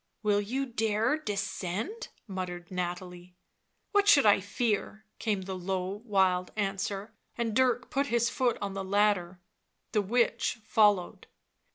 " Will you dare descend?" muttered Nathalie. " What should I fear V came the low, wild answer, and Dirk put his foot on the ladder ... the witch followed